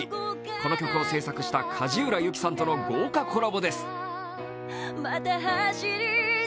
この曲を制作した梶浦由記さんとの豪華コラボです。